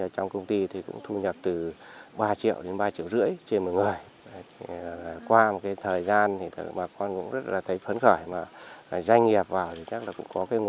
chủ trương tích chủ rộng đất là ubnd xã văn phương